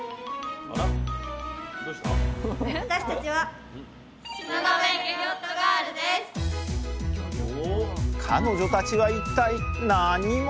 私たちは彼女たちは一体何者？